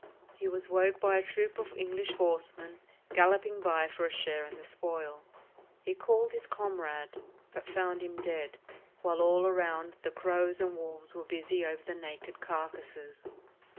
He was woke by a troop of English horse men galloping by for a share in the spoil. He called his comrade, but found him dead, while all round the crows and wolves were busy over the naked carcasses.